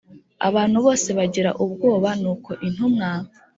Abantu bose bagira ubwoba nuko intumwa